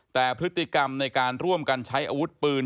แต่พฤติกรรมในการร่วมกันใช้อาวุธปืน